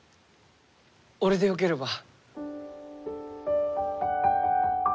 俺でよければ。